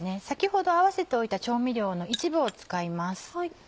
先ほど合わせておいた調味料の一部を使います。